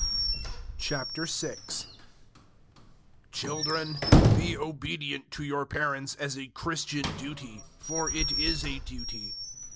006:001 Children, be obedient to your parents as a Christian duty, for it is a duty.